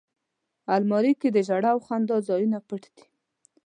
الماري کې د ژړا او خندا ځایونه پټ دي